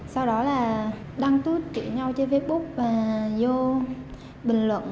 sau đó là đăng tút chửi nhau trên facebook và vô bình luận